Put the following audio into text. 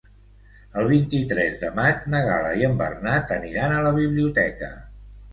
El vint-i-tres de maig na Gal·la i en Bernat aniran a la biblioteca.